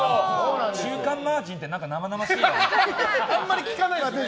中間マージンって何か生々しいね。